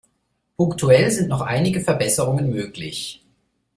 Punktuell sind noch einige Verbesserungen möglich.